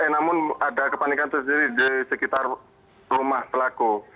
namun ada kepanikan tersendiri di sekitar rumah pelaku